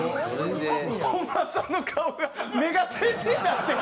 本間さんの顔が目が点になってる！